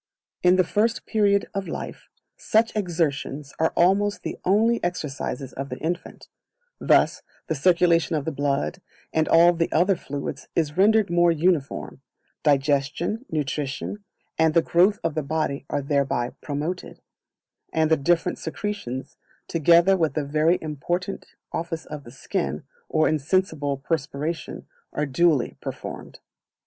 In the First Period of Life, such exertions are almost the only exercises of the infant; thus the circulation of the blood, and all the other fluids, is rendered more uniform; digestion, nutrition, and the growth of the body are thereby promoted; and the different secretions, together with the very important office of the skin, or insensible perspiration, are duly performed.